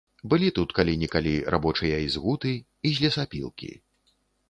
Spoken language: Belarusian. Былі тут калі-нікалі рабочыя і з гуты, і з лесапілкі.